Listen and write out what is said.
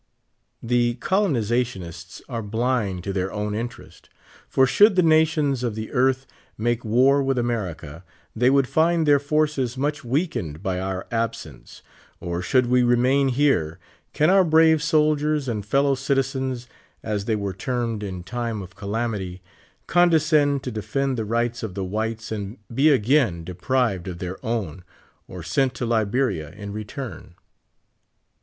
The colonizationists are blind to their own interest, for should the nations of the earth make war with America, they would find their forces much weakened by our absence ; or should we remain here, can our "brave soldiers" and "fellow citizens," as they were termed in time of calamity, condescend to de fend the rights of the whites and be again deprived of their own, or sent to Liberia in return